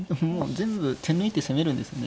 全部手抜いて攻めるんですね。